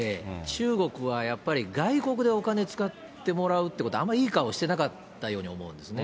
中国はやっぱり外国でお金使ってもらうということ、あんまりいい顔してなかったように思うんですね。